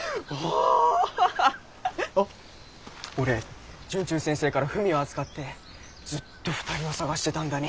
あっ俺惇忠先生から文を預かってずっと２人を捜してたんだに。